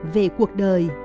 về cuộc đời